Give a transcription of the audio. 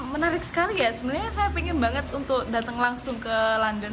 menarik sekali ya sebenarnya saya ingin banget untuk datang langsung ke london